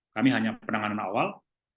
kami hanya penanganan awal